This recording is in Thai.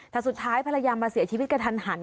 แต่สุดท้ายภรรยามาเสียชีวิตกระทันหัน